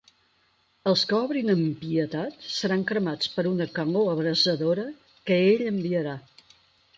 Els que obrin amb impietat seran cremats per una calor abrasadora que Ell enviarà.